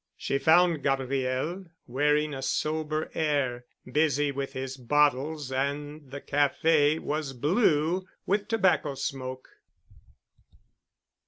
She found Gabriel, wearing a sober air, busy with his bottles and the café was blue with tobacco smoke.